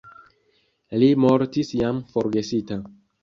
Li mortis jam forgesita.